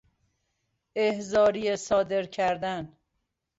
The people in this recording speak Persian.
احضاریه صادر کردن